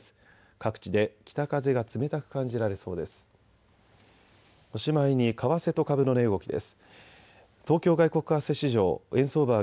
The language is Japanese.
各地で北風が冷たく感じられそうです。